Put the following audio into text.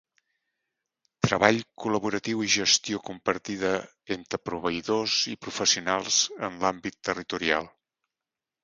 Treball col·laboratiu i gestió compartida entre proveïdors i professionals en l'àmbit territorial.